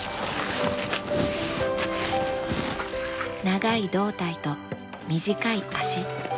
長い胴体と短い脚。